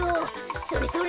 それそれ。